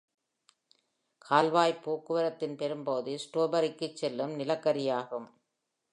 கால்வாய்ப் போக்குவரத்தின் பெரும்பகுதி, Shrewsbury-க்குச் செல்லும் நிலக்கரியாகும்.